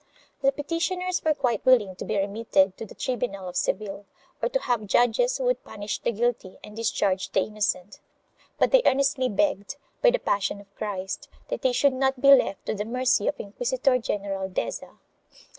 The petitioners were quite willing to be remitted to the tribunal of Seville or to have judges who would punish the guilty and dis charge the innocent, but they earnestly begged, by the Passion of Christ, that they should not be left to the mercy of Inquisitor general Deza.